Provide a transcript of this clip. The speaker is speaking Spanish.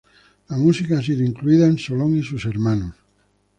La música ha sido incluida en Solon y sus hermanos.